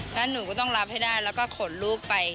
แล้วหนูก็ต้องรับให้ได้แล้วก็ขนลูกไป